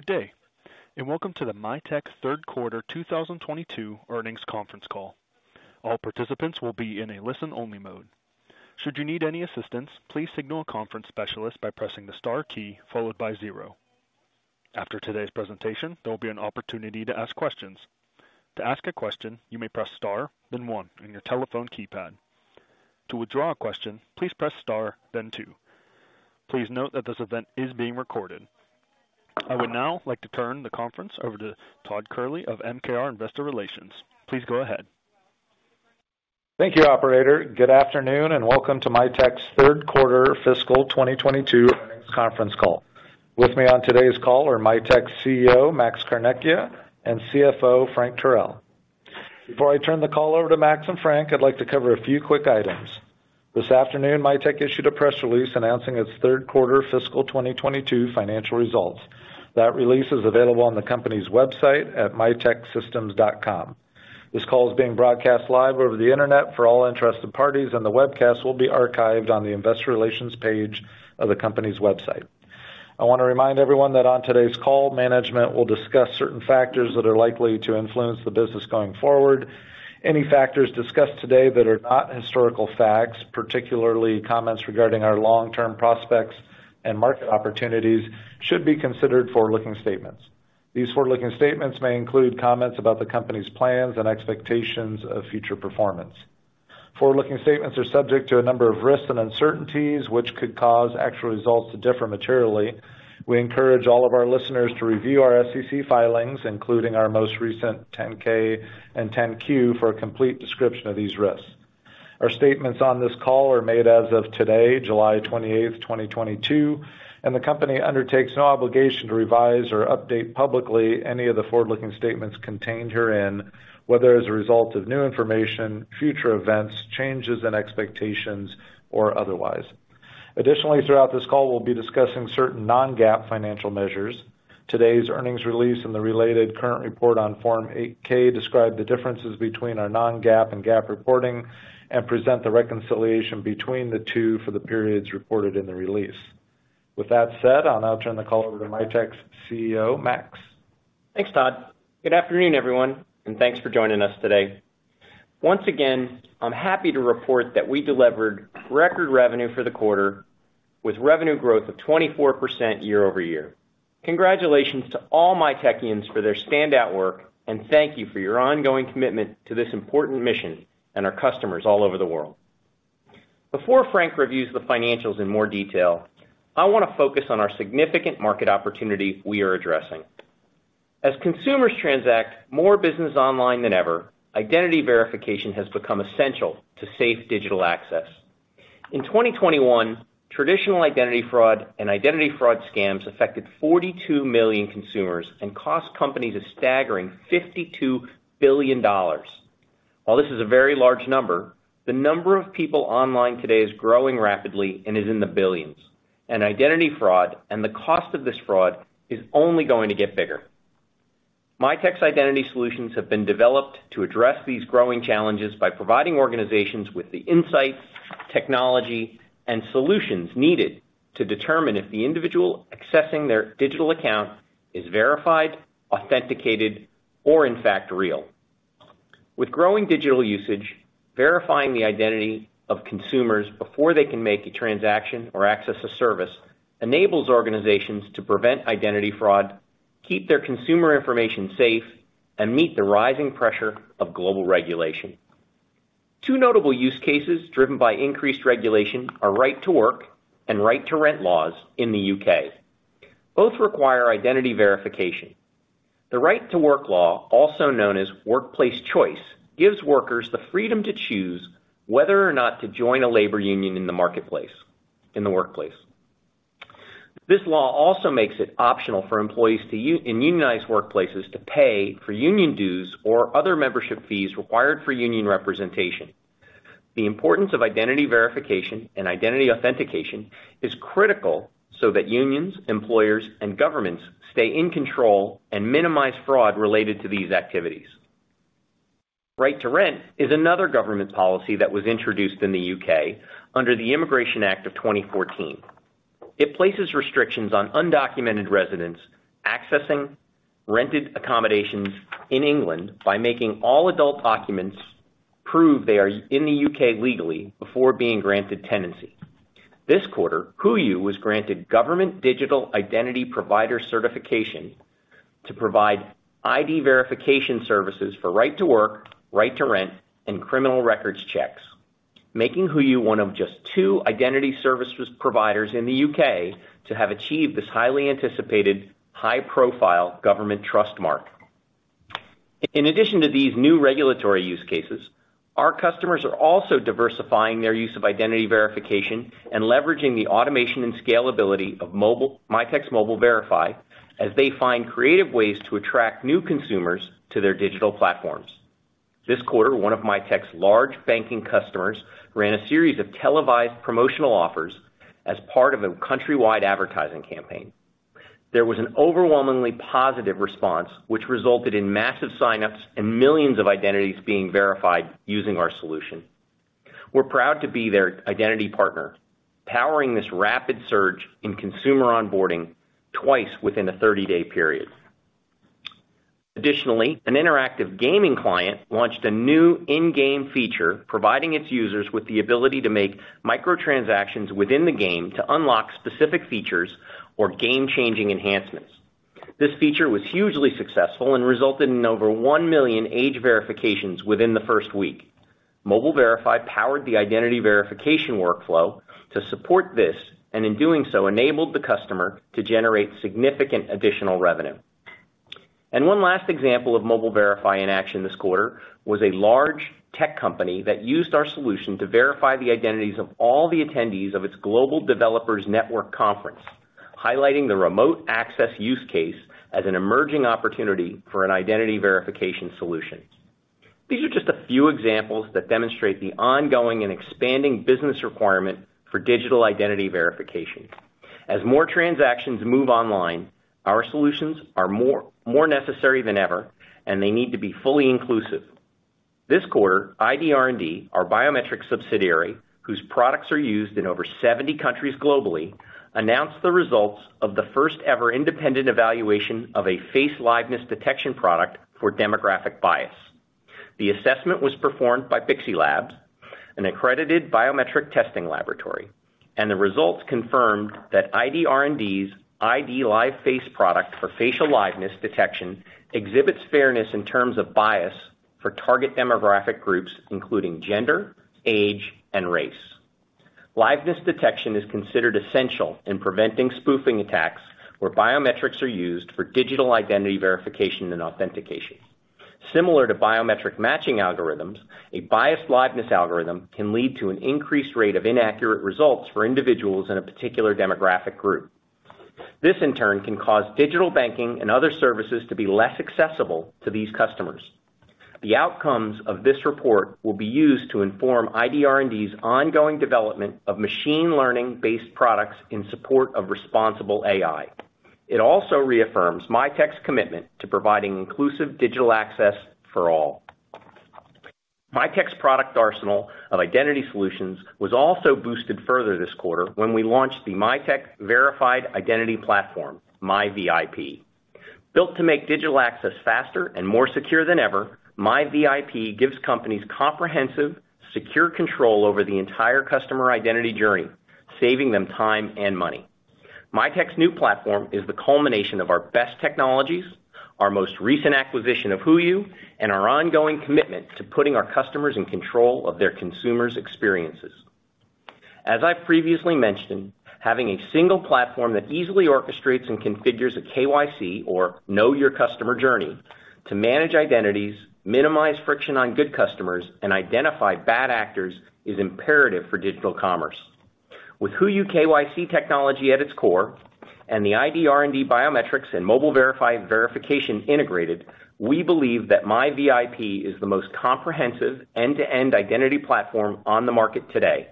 Good day, and welcome to the Mitek third quarter 2022 earnings conference call. All participants will be in a listen-only mode. Should you need any assistance, please signal a conference specialist by pressing the star key followed by zero. After today's presentation, there will be an opportunity to ask questions. To ask a question, you may press star, then one on your telephone keypad. To withdraw a question, please press star then two. Please note that this event is being recorded. I would now like to turn the conference over to Todd Kehrli of MKR Investor Relations. Please go ahead. Thank you, operator. Good afternoon, and welcome to Mitek's third quarter fiscal 2022 earnings conference call. With me on today's call are Mitek's CEO, Max Carnecchia, and CFO, Frank Teruel. Before I turn the call over to Max and Frank, I'd like to cover a few quick items. This afternoon, Mitek issued a press release announcing its third quarter fiscal 2022 financial results. That release is available on the company's website at miteksystems.com. This call is being broadcast live over the Internet for all interested parties, and the webcast will be archived on the investor relations page of the company's website. I want to remind everyone that on today's call, management will discuss certain factors that are likely to influence the business going forward. Any factors discussed today that are not historical facts, particularly comments regarding our long-term prospects and market opportunities, should be considered forward-looking statements. These forward-looking statements may include comments about the company's plans and expectations of future performance. Forward-looking statements are subject to a number of risks and uncertainties, which could cause actual results to differ materially. We encourage all of our listeners to review our SEC filings, including our most recent 10-K and 10-Q, for a complete description of these risks. Our statements on this call are made as of today, July 28, 2022, and the company undertakes no obligation to revise or update publicly any of the forward-looking statements contained herein, whether as a result of new information, future events, changes in expectations or otherwise. Additionally, throughout this call we'll be discussing certain non-GAAP financial measures. Today's earnings release and the related current report on Form 8-K describe the differences between our non-GAAP and GAAP reporting and present the reconciliation between the two for the periods reported in the release. With that said, I'll now turn the call over to Mitek's CEO, Max. Thanks, Todd. Good afternoon, everyone, and thanks for joining us today. Once again, I'm happy to report that we delivered record revenue for the quarter with revenue growth of 24% year-over-year. Congratulations to all Mitekans for their standout work, and thank you for your ongoing commitment to this important mission and our customers all over the world. Before Frank reviews the financials in more detail, I want to focus on our significant market opportunity we are addressing. As consumers transact more business online than ever, identity verification has become essential to safe digital access. In 2021, traditional identity fraud and identity fraud scams affected 42 million consumers and cost companies a staggering $52 billion. While this is a very large number, the number of people online today is growing rapidly and is in the billions. Identity fraud and the cost of this fraud is only going to get bigger. Mitek's identity solutions have been developed to address these growing challenges by providing organizations with the insights, technology, and solutions needed to determine if the individual accessing their digital account is verified, authenticated, or in fact real. With growing digital usage, verifying the identity of consumers before they can make a transaction or access a service enables organizations to prevent identity fraud, keep their consumer information safe, and meet the rising pressure of global regulation. Two notable use cases driven by increased regulation are Right to Work and Right to Rent laws in the U.K. Both require identity verification. The Right to Work law, also known as Workplace Choice, gives workers the freedom to choose whether or not to join a labor union in the workplace. This law also makes it optional for employees in unionized workplaces to pay for union dues or other membership fees required for union representation. The importance of identity verification and identity authentication is critical so that unions, employers, and governments stay in control and minimize fraud related to these activities. Right to Rent is another government policy that was introduced in the U.K. under the Immigration Act of 2014. It places restrictions on undocumented residents accessing rented accommodations in England by making all adult documents prove they are in the U.K. legally before being granted tenancy. This quarter, HooYu was granted government digital identity provider certification to provide ID verification services for Right to Work, Right to Rent, and criminal records checks, making HooYu one of just two identity services providers in the U.K. to have achieved this highly anticipated high-profile government trust mark. In addition to these new regulatory use cases, our customers are also diversifying their use of identity verification and leveraging the automation and scalability of Mitek's Mobile Verify as they find creative ways to attract new consumers to their digital platforms. This quarter, one of Mitek's large banking customers ran a series of televised promotional offers as part of a countrywide advertising campaign. There was an overwhelmingly positive response, which resulted in massive sign-ups and millions of identities being verified using our solution. We're proud to be their identity partner, powering this rapid surge in consumer onboarding twice within a thirty-day period. Additionally, an interactive gaming client launched a new in-game feature providing its users with the ability to make micro-transactions within the game to unlock specific features or game-changing enhancements. This feature was hugely successful and resulted in over 1 million age verifications within the first week. Mobile Verify powered the identity verification workflow to support this, and in doing so, enabled the customer to generate significant additional revenue. One last example of Mobile Verify in action this quarter was a large tech company that used our solution to verify the identities of all the attendees of its Global Developers Network conference, highlighting the remote access use case as an emerging opportunity for an identity verification solution. These are just a few examples that demonstrate the ongoing and expanding business requirement for digital identity verification. As more transactions move online, our solutions are more necessary than ever, and they need to be fully inclusive. This quarter, ID R&D, our biometric subsidiary, whose products are used in over 70 countries globally, announced the results of the first-ever independent evaluation of a face liveness detection product for demographic bias. The assessment was performed by iBeta, an accredited biometric testing laboratory. The results confirmed that ID R&D's IDLive Face product for facial liveness detection exhibits fairness in terms of bias for target demographic groups, including gender, age, and race. Liveness detection is considered essential in preventing spoofing attacks where biometrics are used for digital identity verification and authentication. Similar to biometric matching algorithms, a biased liveness algorithm can lead to an increased rate of inaccurate results for individuals in a particular demographic group. This, in turn, can cause digital banking and other services to be less accessible to these customers. The outcomes of this report will be used to inform ID R&D's ongoing development of machine learning-based products in support of responsible AI. It also reaffirms Mitek's commitment to providing inclusive digital access for all. Mitek's product arsenal of identity solutions was also boosted further this quarter when we launched the Mitek Verified Identity Platform, MiVIP. Built to make digital access faster and more secure than ever, MiVIP gives companies comprehensive, secure control over the entire customer identity journey, saving them time and money. Mitek's new platform is the culmination of our best technologies, our most recent acquisition of HooYu, and our ongoing commitment to putting our customers in control of their consumers' experiences. As I previously mentioned, having a single platform that easily orchestrates and configures a KYC or know your customer journey to manage identities, minimize friction on good customers, and identify bad actors is imperative for digital commerce. With HooYu KYC technology at its core and the ID R&D biometrics and Mobile Verify verification integrated, we believe that MiVIP is the most comprehensive end-to-end identity platform on the market today.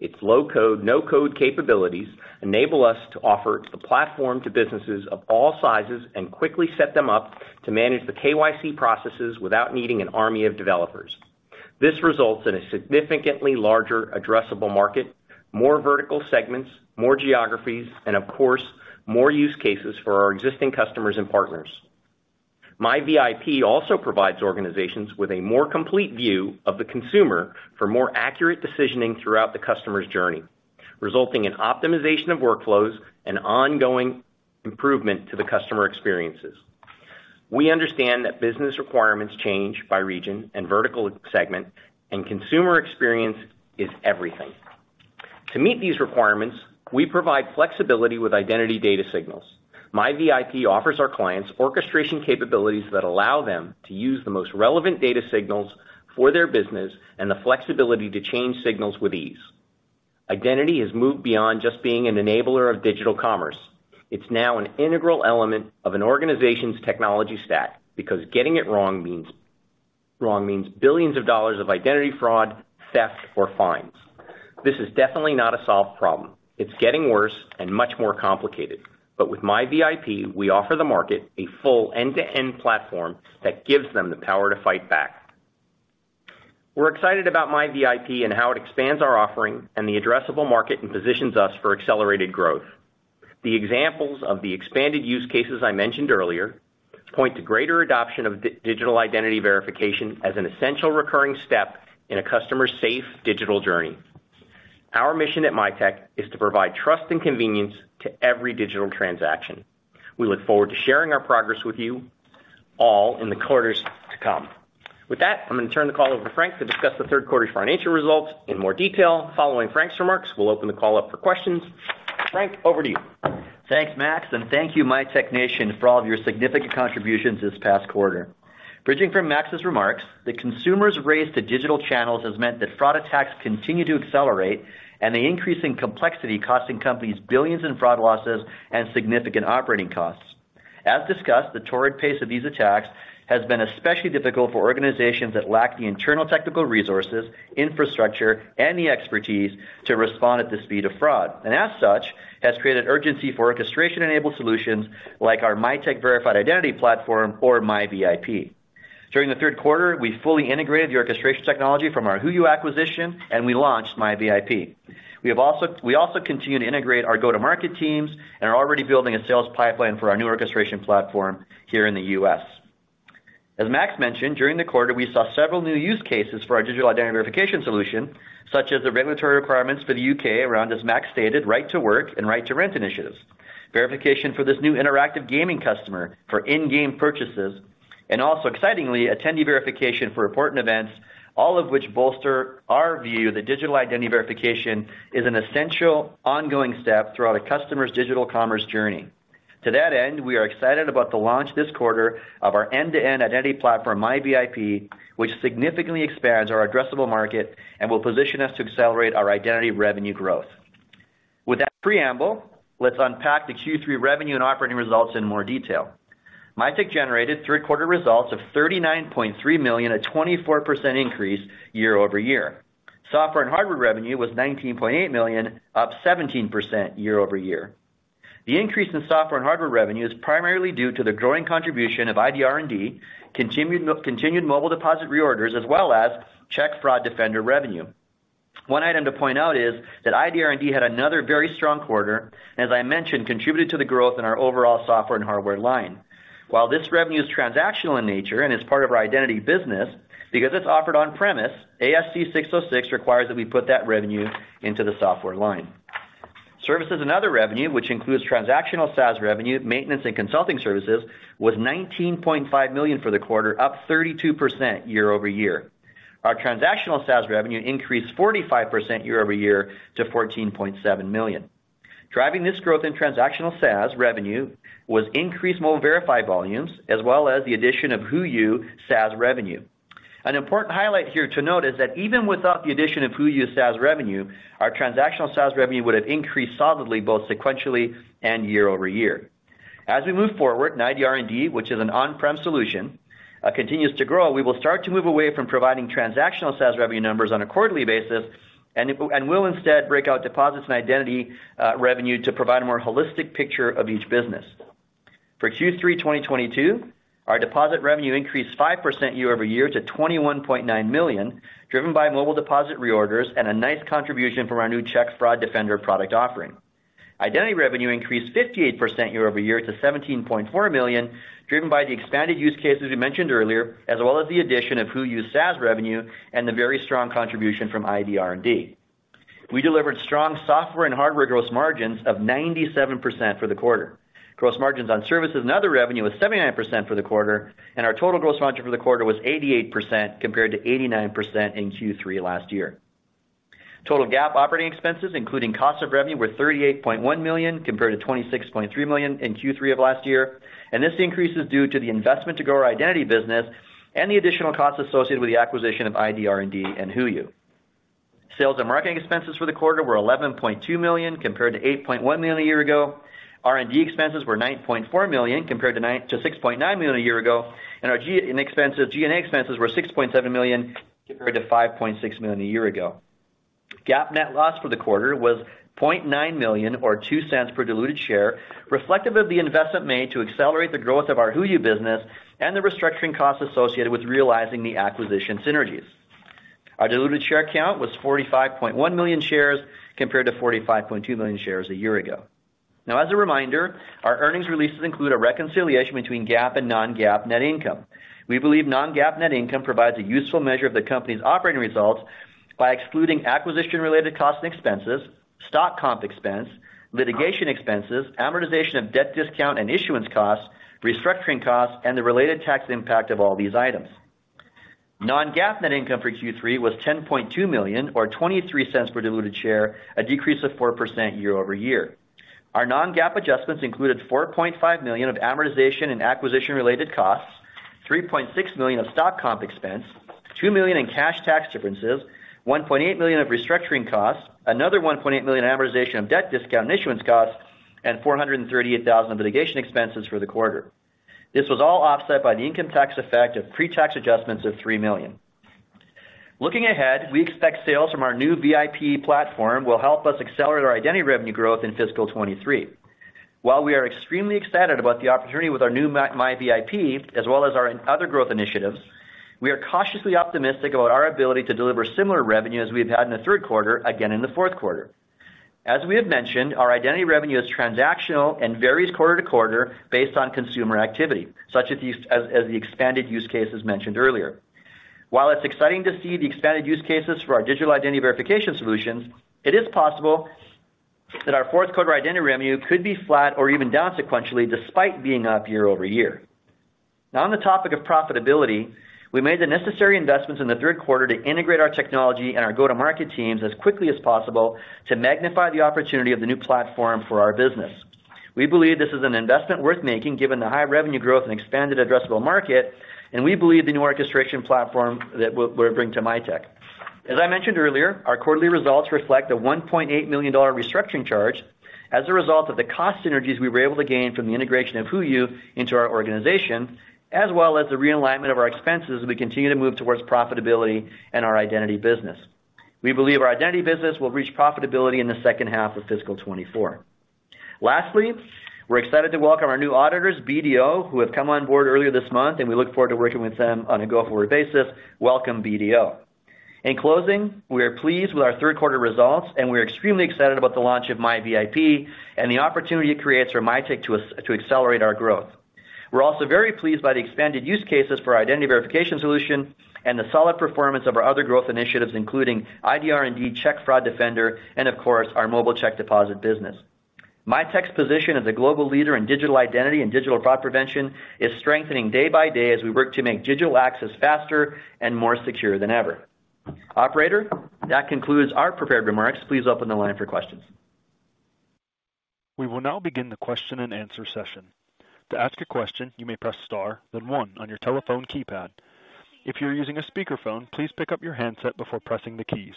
Its low-code/no-code capabilities enable us to offer the platform to businesses of all sizes and quickly set them up to manage the KYC processes without needing an army of developers. This results in a significantly larger addressable market, more vertical segments, more geographies, and of course, more use cases for our existing customers and partners. MiVIP also provides organizations with a more complete view of the consumer for more accurate decisioning throughout the customer's journey, resulting in optimization of workflows and ongoing improvement to the customer experiences. We understand that business requirements change by region and vertical segment, and consumer experience is everything. To meet these requirements, we provide flexibility with identity data signals. MiVIP offers our clients orchestration capabilities that allow them to use the most relevant data signals for their business and the flexibility to change signals with ease. Identity has moved beyond just being an enabler of digital commerce. It's now an integral element of an organization's technology stack because getting it wrong means billions of dollars of identity fraud, theft, or fines. This is definitely not a solved problem. It's getting worse and much more complicated. With MiVIP, we offer the market a full end-to-end platform that gives them the power to fight back. We're excited about MiVIP and how it expands our offering and the addressable market and positions us for accelerated growth. The examples of the expanded use cases I mentioned earlier point to greater adoption of digital identity verification as an essential recurring step in a customer's safe digital journey. Our mission at Mitek is to provide trust and convenience to every digital transaction. We look forward to sharing our progress with you all in the quarters to come. With that, I'm going to turn the call over to Frank to discuss the third quarter's financial results in more detail. Following Frank's remarks, we'll open the call up for questions. Frank, over to you. Thanks, Max, and thank you, Mitek nation, for all of your significant contributions this past quarter. Bridging from Max's remarks, the consumer's race to digital channels has meant that fraud attacks continue to accelerate and the increasing complexity costing companies billions in fraud losses and significant operating costs. As discussed, the torrid pace of these attacks has been especially difficult for organizations that lack the internal technical resources, infrastructure, and the expertise to respond at the speed of fraud. As such, has created urgency for orchestration-enabled solutions like our Mitek Verified Identity Platform or MiVIP. During the third quarter, we fully integrated the orchestration technology from our HooYu acquisition, and we launched MiVIP. We also continue to integrate our go-to-market teams and are already building a sales pipeline for our new orchestration platform here in the U.S. As Max mentioned, during the quarter, we saw several new use cases for our digital identity verification solution, such as the regulatory requirements for the U.K. around, as Max stated, Right to Work and Right to Rent initiatives. Verification for this new interactive gaming customer for in-game purchases, and also excitingly, attendee verification for important events, all of which bolster our view that digital identity verification is an essential ongoing step throughout a customer's digital commerce journey. To that end, we are excited about the launch this quarter of our end-to-end identity platform, MiVIP, which significantly expands our addressable market and will position us to accelerate our identity revenue growth. With that preamble, let's unpack the Q3 revenue and operating results in more detail. Mitek generated three-quarter results of $39.3 million, a 24% increase year-over-year. Software and hardware revenue was $19.8 million, up 17% year-over-year. The increase in software and hardware revenue is primarily due to the growing contribution of ID R&D, continued Mobile Deposit reorders, as well as Check Fraud Defender revenue. One item to point out is that ID R&D had another very strong quarter, as I mentioned, contributed to the growth in our overall software and hardware line. While this revenue is transactional in nature and is part of our identity business, because it's offered on-premise, ASC 606 requires that we put that revenue into the software line. Services and other revenue, which includes transactional SaaS revenue, maintenance and consulting services, was $19.5 million for the quarter, up 32% year-over-year. Our transactional SaaS revenue increased 45% year-over-year to $14.7 million. Driving this growth in transactional SaaS revenue was increased Mobile Verify volumes as well as the addition of HooYu SaaS revenue. An important highlight here to note is that even without the addition of HooYu SaaS revenue, our transactional SaaS revenue would have increased solidly both sequentially and year-over-year. As we move forward and ID R&D, which is an on-prem solution, continues to grow, we will start to move away from providing transactional SaaS revenue numbers on a quarterly basis and will instead break out deposits and identity revenue to provide a more holistic picture of each business. For Q3 2022, our deposit revenue increased 5% year-over-year to $21.9 million, driven by Mobile Deposit reorders and a nice contribution from our new Check Fraud Defender product offering. Identity revenue increased 58% year-over-year to $17.4 million, driven by the expanded use cases we mentioned earlier, as well as the addition of HooYu SaaS revenue and the very strong contribution from ID R&D. We delivered strong software and hardware gross margins of 97% for the quarter. Gross margins on services and other revenue was 79% for the quarter, and our total gross margin for the quarter was 88% compared to 89% in Q3 last year. Total GAAP operating expenses, including cost of revenue, were $38.1 million, compared to $26.3 million in Q3 of last year, and this increase is due to the investment to grow our identity business and the additional costs associated with the acquisition of ID R&D and HooYu. Sales and marketing expenses for the quarter were $11.2 million, compared to $8.1 million a year ago. R&D expenses were $9.4 million, compared to $6.9 million a year ago. Our G&A expenses were $6.7 million, compared to $5.6 million a year ago. GAAP net loss for the quarter was $0.9 million or $0.02 per diluted share, reflective of the investment made to accelerate the growth of our HooYu business and the restructuring costs associated with realizing the acquisition synergies. Our diluted share count was 45.1 million shares compared to 45.2 million shares a year ago. Now, as a reminder, our earnings releases include a reconciliation between GAAP and non-GAAP net income. We believe non-GAAP net income provides a useful measure of the company's operating results by excluding acquisition-related costs and expenses, stock comp expense, litigation expenses, amortization of debt discount and issuance costs, restructuring costs, and the related tax impact of all these items. Non-GAAP net income for Q3 was $10.2 million or $0.23 per diluted share, a decrease of 4% year-over-year. Our non-GAAP adjustments included $4.5 million of amortization and acquisition-related costs, $3.6 million of stock comp expense, $2 million in cash tax differences, $1.8 million of restructuring costs, another $1.8 million amortization of debt discount and issuance costs, and $438,000 of litigation expenses for the quarter. This was all offset by the income tax effect of pre-tax adjustments of $3 million. Looking ahead, we expect sales from our new MiVIP platform will help us accelerate our identity revenue growth in fiscal 2023. While we are extremely excited about the opportunity with our new MiVIP as well as our other growth initiatives, we are cautiously optimistic about our ability to deliver similar revenue as we have had in the third quarter, again in the fourth quarter. As we have mentioned, our identity revenue is transactional and varies quarter to quarter based on consumer activity, such as the expanded use cases mentioned earlier. While it's exciting to see the expanded use cases for our digital identity verification solutions, it is possible that our fourth quarter identity revenue could be flat or even down sequentially despite being up year-over-year. Now on the topic of profitability, we made the necessary investments in the third quarter to integrate our technology and our go-to-market teams as quickly as possible to magnify the opportunity of the new platform for our business. We believe this is an investment worth making given the high revenue growth and expanded addressable market, and we believe the new orchestration platform that we're bringing to Mitek. As I mentioned earlier, our quarterly results reflect a $1.8 million restructuring charge as a result of the cost synergies we were able to gain from the integration of HooYu into our organization, as well as the realignment of our expenses as we continue to move towards profitability in our identity business. We believe our identity business will reach profitability in the second half of fiscal 2024. Lastly, we're excited to welcome our new auditors, BDO, who have come on board earlier this month, and we look forward to working with them on a go-forward basis. Welcome, BDO. In closing, we are pleased with our third quarter results, and we're extremely excited about the launch of MiVIP and the opportunity it creates for Mitek to accelerate our growth. We're also very pleased by the expanded use cases for our identity verification solution and the solid performance of our other growth initiatives, including ID R&D and Check Fraud Defender and of course, our mobile check deposit business. Mitek's position as a global leader in digital identity and digital fraud prevention is strengthening day by day as we work to make digital access faster and more secure than ever. Operator, that concludes our prepared remarks. Please open the line for questions. We will now begin the question-and-answer session. To ask a question, you may press star, then one on your telephone keypad. If you're using a speakerphone, please pick up your handset before pressing the keys.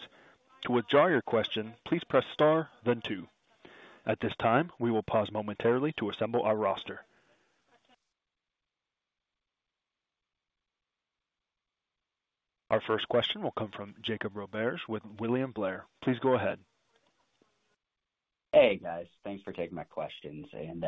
To withdraw your question, please press star then two. At this time, we will pause momentarily to assemble our roster. Our first question will come from Jake Roberge with William Blair. Please go ahead. Hey, guys. Thanks for taking my questions and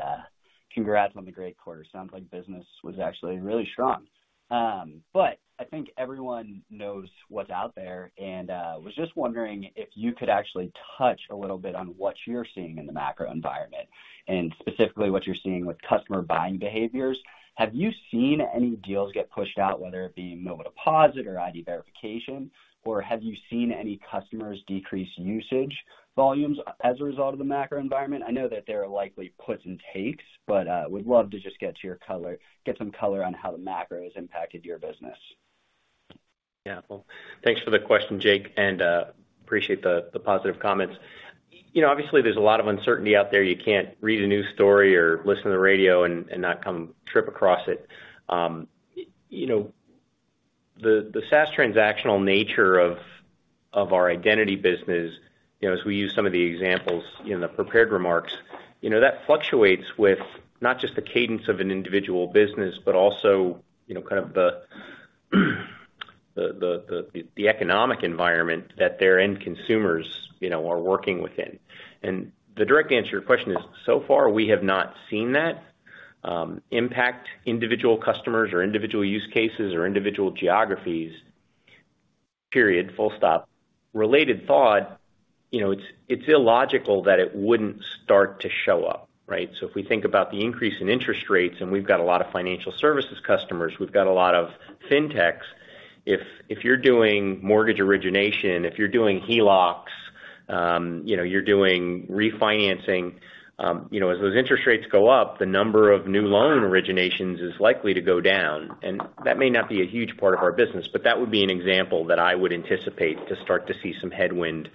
congrats on the great quarter. Sounds like business was actually really strong. I think everyone knows what's out there and was just wondering if you could actually touch a little bit on what you're seeing in the macro environment and specifically what you're seeing with customer buying behaviors. Have you seen any deals get pushed out, whether it be mobile deposit or ID verification, or have you seen any customers decrease usage volumes as a result of the macro environment? I know that there are likely puts and takes, but would love to just get some color on how the macro has impacted your business. Yeah. Well, thanks for the question, Jake, and appreciate the positive comments. You know, obviously, there's a lot of uncertainty out there. You can't read a news story or listen to the radio and not come across it. You know, the SaaS transactional nature of our identity business, you know, as we use some of the examples in the prepared remarks, you know, that fluctuates with not just the cadence of an individual business, but also, you know, kind of the economic environment that their end consumers, you know, are working within. The direct answer to your question is, so far, we have not seen that impact individual customers or individual use cases or individual geographies. Period. Full stop. Related thought, you know, it's illogical that it wouldn't start to show up, right? If we think about the increase in interest rates and we've got a lot of financial services customers, we've got a lot of fintechs. If you're doing mortgage origination, if you're doing HELOCs, you know, you're doing refinancing, you know, as those interest rates go up, the number of new loan originations is likely to go down. That may not be a huge part of our business, but that would be an example that I would anticipate to start to see some headwind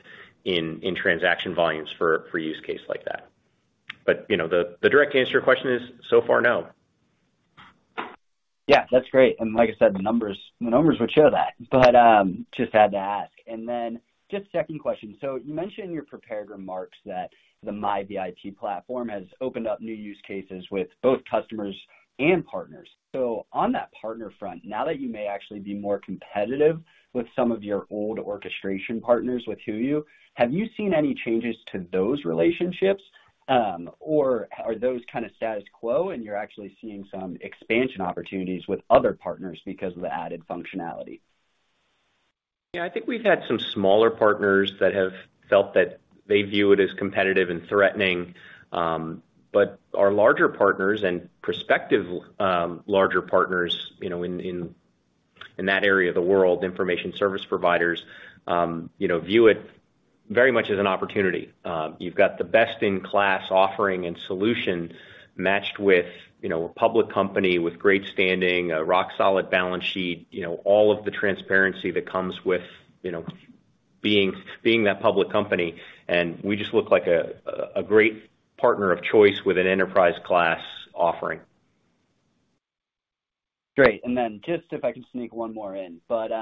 in transaction volumes for a use case like that. You know, the direct answer to your question is, so far, no. Yeah. That's great. Like I said, the numbers would show that. Just had to ask. Just second question. You mentioned in your prepared remarks that the MiVIP platform has opened up new use cases with both customers and partners. On that partner front, now that you may actually be more competitive with some of your old orchestration partners with HooYu, have you seen any changes to those relationships, or are those kind of status quo and you're actually seeing some expansion opportunities with other partners because of the added functionality? Yeah. I think we've had some smaller partners that have felt that they view it as competitive and threatening. But our larger partners and prospective larger partners, you know, in that area of the world, information service providers, you know, view it very much as an opportunity. You've got the best-in-class offering and solution matched with, you know, a public company with great standing, a rock solid balance sheet, you know, all of the transparency that comes with, you know, being that public company. We just look like a great partner of choice with an enterprise class offering. Great. Then just if I can sneak one more in. Could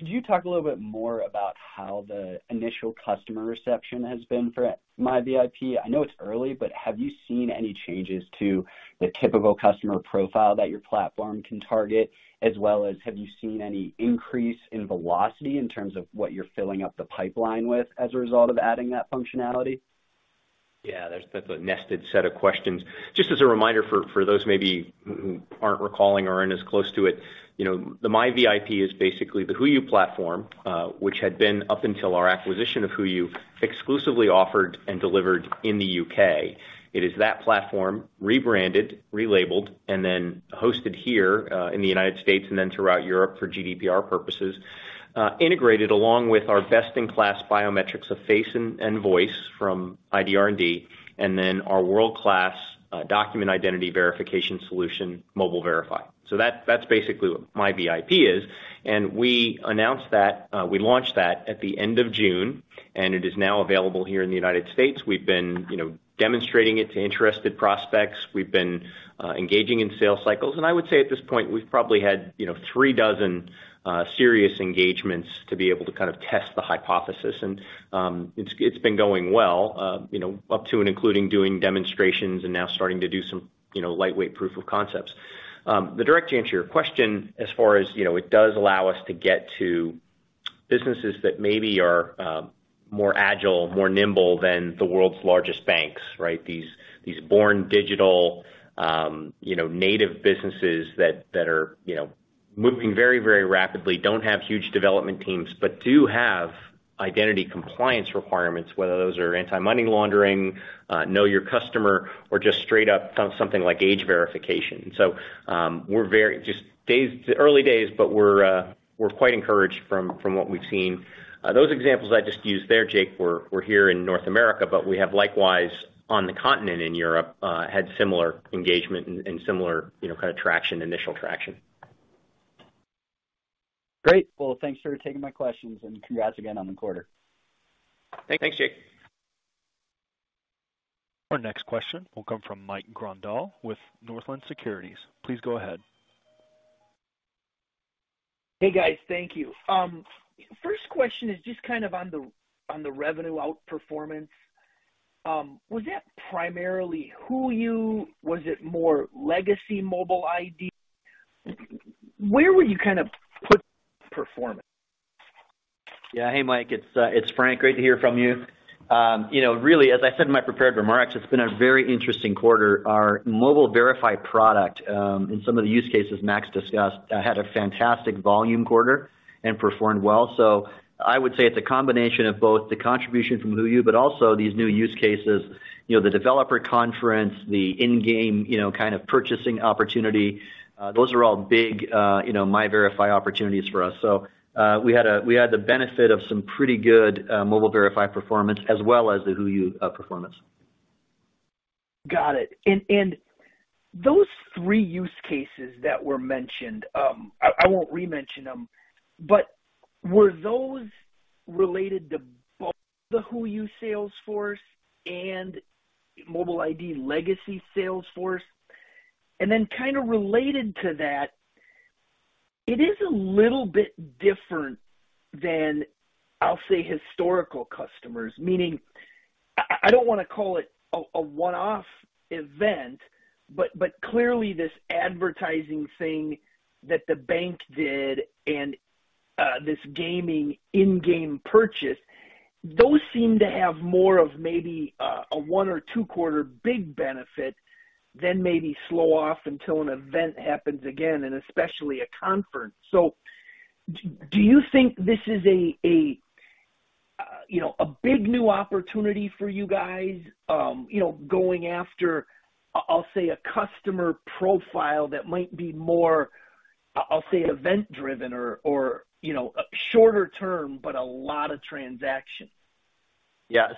you talk a little bit more about how the initial customer reception has been for MiVIP? I know it's early, but have you seen any changes to the typical customer profile that your platform can target, as well as have you seen any increase in velocity in terms of what you're filling up the pipeline with as a result of adding that functionality? Yeah. That's a nested set of questions. Just as a reminder for those maybe who aren't recalling or aren't as close to it, you know, the MiVIP is basically the HooYu platform, which had been up until our acquisition of HooYu exclusively offered and delivered in the U.K. It is that platform rebranded, relabeled, and then hosted here in the United States and then throughout Europe for GDPR purposes, integrated along with our best-in-class biometrics of face and voice from ID R&D, and then our world-class document identity verification solution, Mobile Verify. So that's basically what MiVIP is. We announced that we launched that at the end of June, and it is now available here in the United States. We've been, you know, demonstrating it to interested prospects. We've been engaging in sales cycles. I would say at this point, we've probably had, you know, three dozen serious engagements to be able to kind of test the hypothesis. It's been going well, you know, up to and including doing demonstrations and now starting to do some, you know, lightweight proof of concepts. The direct answer to your question as far as, you know, it does allow us to get to Businesses that maybe are more agile, more nimble than the world's largest banks, right? These born digital, you know, native businesses that are, you know, moving very, very rapidly, don't have huge development teams, but do have identity compliance requirements, whether those are anti-money laundering, know your customer, or just straight up something like age verification. We're very early days, but we're quite encouraged from what we've seen. Those examples I just used there, Jake, were here in North America, but we have likewise on the continent in Europe had similar engagement and similar, you know, kind of traction, initial traction. Great. Well, thanks for taking my questions and congrats again on the quarter. Thanks, Jake. Our next question will come from Mike Grondahl with Northland Securities. Please go ahead. Hey, guys. Thank you. First question is just kind of on the revenue outperformance. Was that primarily HooYu? Was it more legacy Mobile ID? Where would you kind of put performance? Yeah. Hey, Mike, it's Frank, great to hear from you. You know, really, as I said in my prepared remarks, it's been a very interesting quarter. Our Mobile Verify product, in some of the use cases Max discussed, had a fantastic volume quarter and performed well. I would say it's a combination of both the contribution from HooYu, but also these new use cases. You know, the developer conference, the in-game, you know, kind of purchasing opportunity, those are all big, you know, Mobile Verify opportunities for us. We had the benefit of some pretty good Mobile Verify performance as well as the HooYu performance. Got it. Those three use cases that were mentioned, I won't re-mention them, but were those related to both the HooYu sales force and Mobile ID legacy sales force? Kind of related to that, it is a little bit different than, I'll say, historical customers, meaning I don't wanna call it a one-off event, but clearly this advertising thing that the bank did and this gaming in-game purchase, those seem to have more of maybe a one- or two-quarter big benefit than maybe slow off until an event happens again and especially a conference. Do you think this is a, you know, a big new opportunity for you guys, you know, going after, I'll say, a customer profile that might be more, I'll say, event driven or, you know, shorter term, but a lot of transactions? Yeah.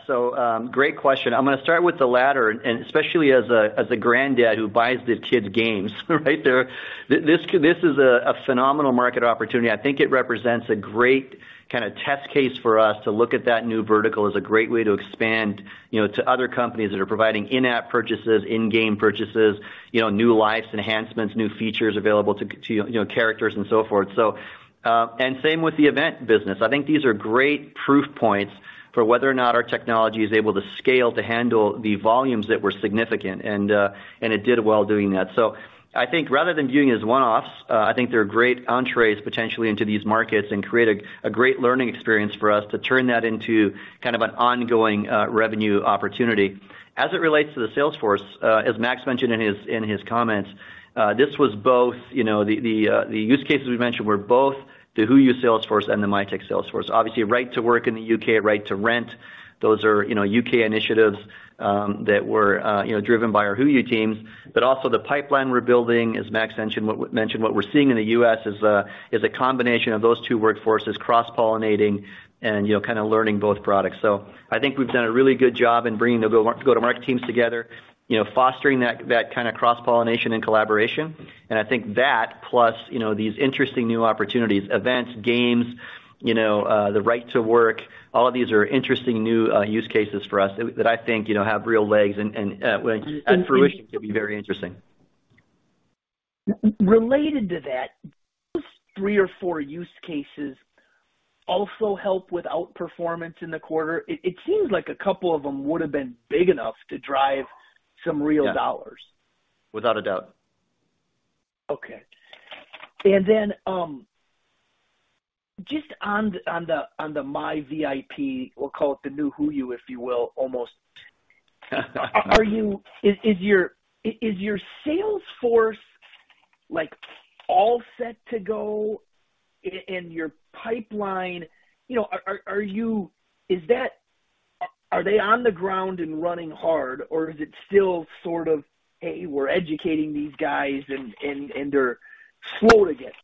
Great question. I'm gonna start with the latter, and especially as a granddad who buys the kids games right there. This is a phenomenal market opportunity. I think it represents a great kinda test case for us to look at that new vertical as a great way to expand, you know, to other companies that are providing in-app purchases, in-game purchases, you know, new lives enhancements, new features available to you know, characters and so forth. Same with the event business. I think these are great proof points for whether or not our technology is able to scale to handle the volumes that were significant, and it did well doing that. I think rather than viewing as one-offs, I think they're great entries potentially into these markets and create a great learning experience for us to turn that into kind of an ongoing revenue opportunity. As it relates to the sales force, as Max mentioned in his comments, this was both, you know, the use cases we mentioned were both the HooYu sales force and the Mitek sales force. Obviously, Right to Work in the U.K., Right to Rent. Those are, you know, U.K. initiatives that were, you know, driven by our HooYu teams, but also the pipeline we're building, as Max mentioned what we're seeing in the U.S. is a combination of those two workforces cross-pollinating and, you know, kinda learning both products. I think we've done a really good job in bringing the go-to-market teams together, you know, fostering that kinda cross-pollination and collaboration. I think that plus, you know, these interesting new opportunities, events, games, you know, the Right to Work, all of these are interesting new use cases for us that I think, you know, have real legs and at fruition could be very interesting. Related to that, those three or four use cases also help with outperformance in the quarter. It seems like a couple of them would have been big enough to drive some real dollars. Without a doubt. Okay. Just on the MiVIP, we'll call it the new HooYu, if you will, almost. Is your sales force, like, all set to go and your pipeline, you know, are they on the ground and running hard, or is it still sort of, "Hey, we're educating these guys," and they're slow to get?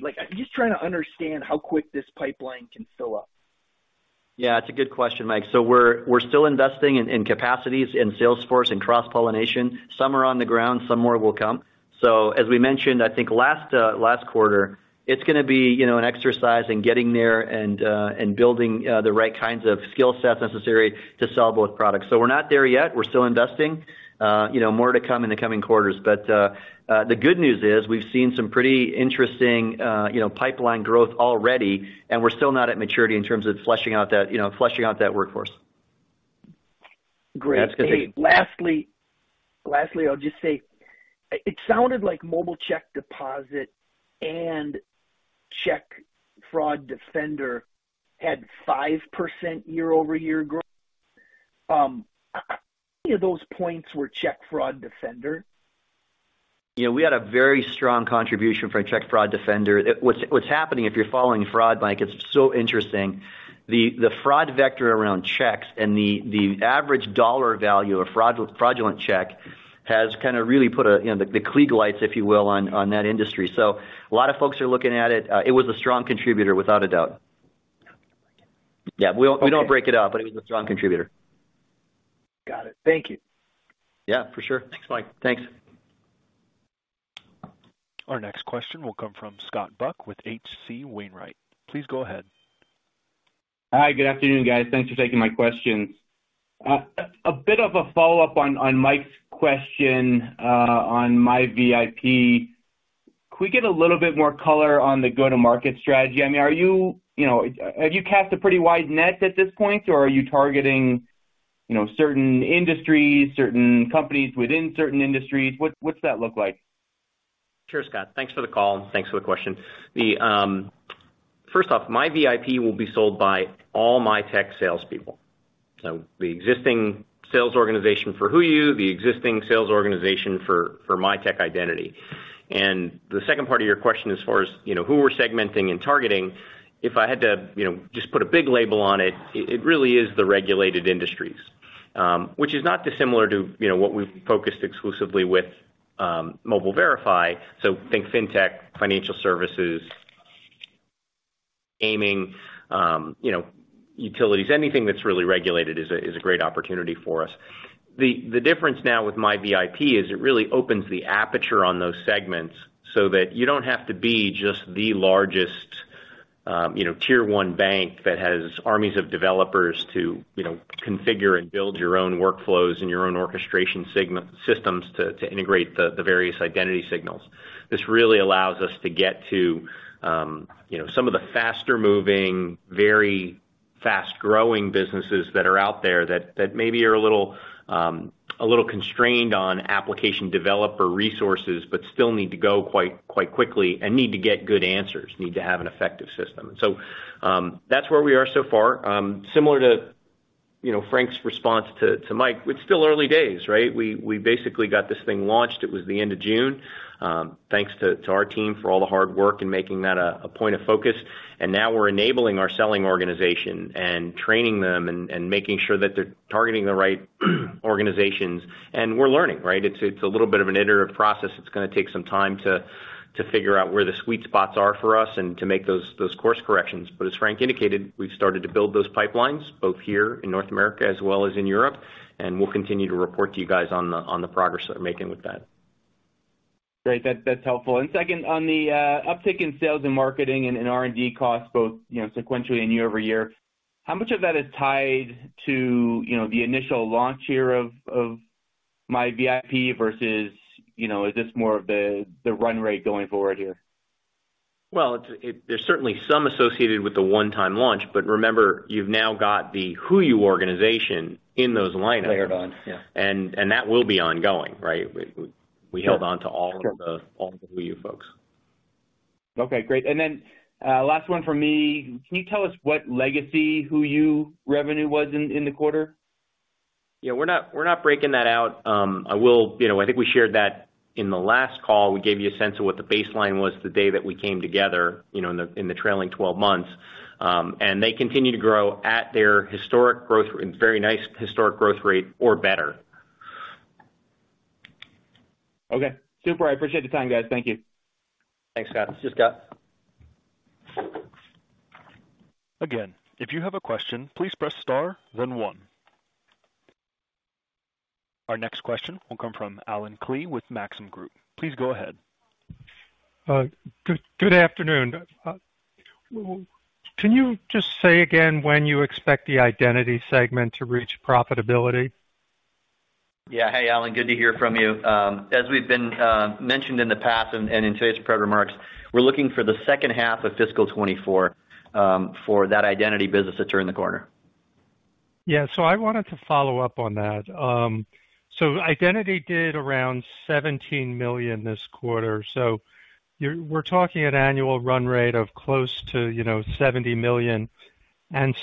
Like, I'm just trying to understand how quick this pipeline can fill up. Yeah, it's a good question, Mike. We're still investing in capacities in sales force and cross-pollination. Some are on the ground, some more will come. As we mentioned, I think last quarter, it's gonna be, you know, an exercise in getting there and building the right kinds of skill sets necessary to sell both products. We're not there yet. We're still investing. You know, more to come in the coming quarters. The good news is we've seen some pretty interesting, you know, pipeline growth already, and we're still not at maturity in terms of fleshing out that workforce. Great. Lastly, I'll just say it sounded like Mobile Deposit and Check Fraud Defender had 5% year-over-year growth. Any of those points were Check Fraud Defender? Yeah, we had a very strong contribution from Check Fraud Defender. What's happening if you're following fraud, Mike, it's so interesting. The fraud vector around checks and the average dollar value of fraudulent check has kind of really put a, you know, the klieg lights, if you will, on that industry. So a lot of folks are looking at it. It was a strong contributor, without a doubt. Yeah, we don't break it out, but it was a strong contributor. Got it. Thank you. Yeah, for sure. Thanks, Mike. Thanks. Our next question will come from Scott Buck with H.C. Wainwright. Please go ahead. Hi. Good afternoon, guys. Thanks for taking my questions. A bit of a follow-up on Mike's question on MiVIP. Could we get a little bit more color on the go-to-market strategy? I mean, are you know, have you cast a pretty wide net at this point, or are you targeting, you know, certain industries, certain companies within certain industries? What's that look like? Sure, Scott. Thanks for the call. Thanks for the question. First off, MiVIP will be sold by all Mitek salespeople. The existing sales organization for HooYu, the existing sales organization for Mitek identity. The second part of your question, as far as, you know, who we're segmenting and targeting, if I had to, you know, just put a big label on it really is the regulated industries, which is not dissimilar to, you know, what we've focused exclusively with, Mobile Verify. Think fintech, financial services, gaming, you know, utilities. Anything that's really regulated is a great opportunity for us. The difference now with MiVIP is it really opens the aperture on those segments so that you don't have to be just the largest, you know, tier one bank that has armies of developers to, you know, configure and build your own workflows and your own orchestration systems to integrate the various identity signals. This really allows us to get to, you know, some of the faster moving, very fast-growing businesses that are out there that maybe are a little constrained on application developer resources, but still need to go quite quickly and need to get good answers, need to have an effective system. That's where we are so far. Similar to, you know, Frank's response to Mike, it's still early days, right? We basically got this thing launched. It was the end of June. Thanks to our team for all the hard work in making that a point of focus. Now we're enabling our selling organization and training them and making sure that they're targeting the right organizations. We're learning, right? It's a little bit of an iterative process. It's gonna take some time to figure out where the sweet spots are for us and to make those course corrections. As Frank indicated, we've started to build those pipelines, both here in North America as well as in Europe. We'll continue to report to you guys on the progress that we're making with that. Great. That's helpful. Second, on the uptick in sales and marketing and in R&D costs both, you know, sequentially and year-over-year, how much of that is tied to, you know, the initial launch here of MiVIP versus, you know, is this more of the run rate going forward here? Well, there's certainly some associated with the one-time launch, but remember, you've now got the HooYu organization in those lineups. Layered on. Yeah. That will be ongoing, right? We held on to all the HooYu folks. Okay, great. Last one from me. Can you tell us what legacy HooYu revenue was in the quarter? Yeah, we're not breaking that out. You know, I think we shared that in the last call. We gave you a sense of what the baseline was the day that we came together, you know, in the trailing twelve months. They continue to grow at their historic growth, very nice historic growth rate or better. Okay. Super. I appreciate the time, guys. Thank you. Thanks, Scott. Thanks, Scott. Again, if you have a question, please press star then one. Our next question will come from Alan Klee with Maxim Group. Please go ahead. Good afternoon. Can you just say again when you expect the identity segment to reach profitability? Yeah. Hey, Alan, good to hear from you. As we've been mentioning in the past and in today's prepared remarks, we're looking for the second half of fiscal 2024 for that identity business to turn the corner. Yeah. I wanted to follow up on that. Identity did around $17 million this quarter. We're talking an annual run rate of close to, you know, $70 million. I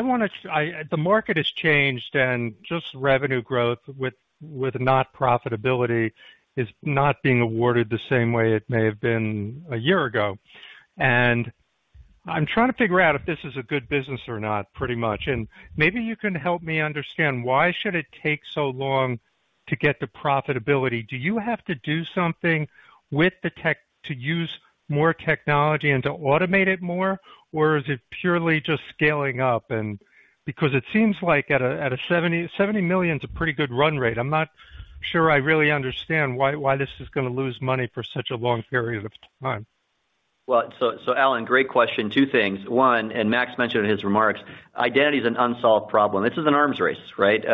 wanna. The market has changed, and just revenue growth with not profitability is not being awarded the same way it may have been a year ago. I'm trying to figure out if this is a good business or not, pretty much. Maybe you can help me understand why should it take so long to get to profitability? Do you have to do something with the tech to use more technology and to automate it more, or is it purely just scaling up? Because it seems like at a $70 million is a pretty good run rate. I'm not sure I really understand why this is gonna lose money for such a long period of time. Alan, great question. Two things. One, Max mentioned in his remarks, identity is an unsolved problem. This is an arms race, right?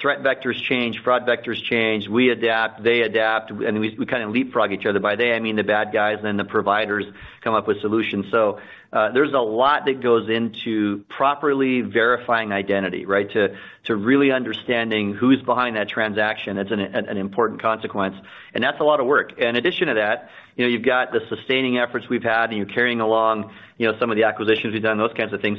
Threat vectors change, fraud vectors change. We adapt, they adapt, and we kind of leapfrog each other. By they, I mean, the bad guys, then the providers come up with solutions. There's a lot that goes into properly verifying identity, right? To really understanding who's behind that transaction, that's an important consequence. That's a lot of work. In addition to that, you know, you've got the sustaining efforts we've had, and you're carrying along, you know, some of the acquisitions we've done, those kinds of things.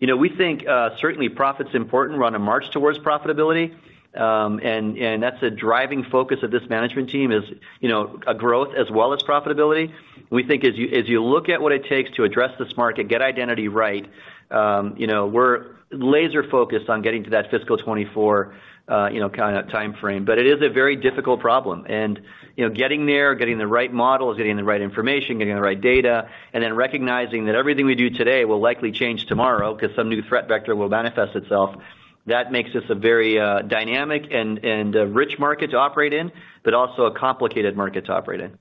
You know, we think, certainly profit's important. We're on a march towards profitability. That's a driving focus of this management team is, you know, a growth as well as profitability. We think as you look at what it takes to address this market, get identity right, you know, we're laser focused on getting to that fiscal 2024, you know, kinda timeframe. It is a very difficult problem. You know, getting there, getting the right models, getting the right information, getting the right data, and then recognizing that everything we do today will likely change tomorrow because some new threat vector will manifest itself. That makes this a very dynamic and a rich market to operate in, but also a complicated market to operate in.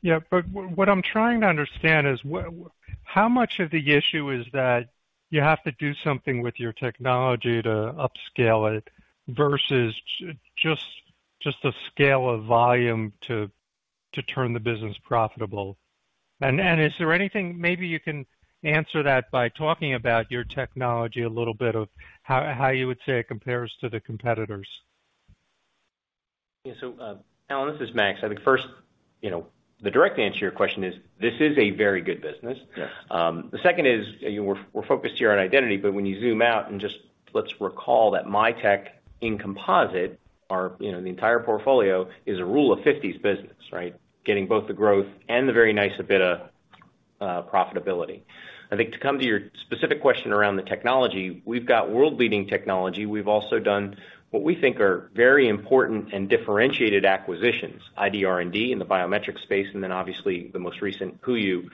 Yeah. What I'm trying to understand is how much of the issue is that you have to do something with your technology to upscale it versus just the scale of volume to turn the business profitable? And is there anything maybe you can answer that by talking about your technology a little bit of how you would say it compares to the competitors? Yeah. Allen, this is Max. I think first, you know, the direct answer to your question is, this is a very good business. Yes. The second is, you know, we're focused here on identity, but when you zoom out and just let's recall that Mitek in composite are, you know, the entire portfolio is a Rule of 50 business, right? Getting both the growth and the very nice EBITDA profitability. I think to come to your specific question around the technology, we've got world-leading technology. We've also done what we think are very important and differentiated acquisitions, ID R&D in the biometric space, and then obviously the most recent HooYu,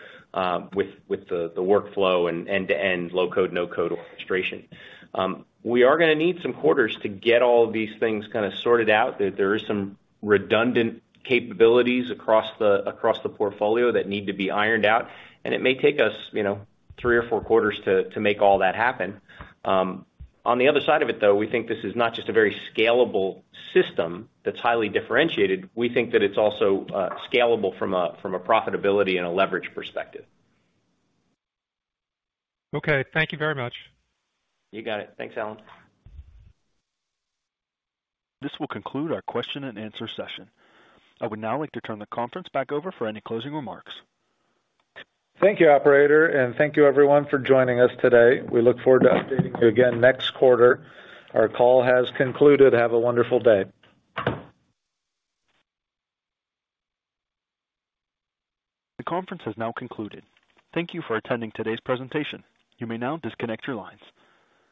with the workflow and end-to-end low-code/no-code orchestration. We are gonna need some quarters to get all of these things kinda sorted out. There is some redundant capabilities across the portfolio that need to be ironed out, and it may take us, you know, three or four quarters to make all that happen. On the other side of it, though, we think this is not just a very scalable system that's highly differentiated. We think that it's also scalable from a profitability and a leverage perspective. Okay, thank you very much. You got it. Thanks, Alan. This will conclude our question and answer session. I would now like to turn the conference back over for any closing remarks. Thank you, operator, and thank you everyone for joining us today. We look forward to updating you again next quarter. Our call has concluded. Have a wonderful day. The conference has now concluded. Thank you for attending today's presentation. You may now disconnect your lines.